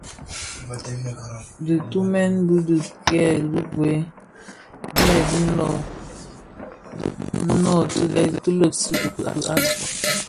Dhitumèn di dhi kèn gwed dyèdin lō, ti nooti dhi lèèsi itoki asu.